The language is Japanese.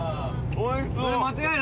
それ間違いない！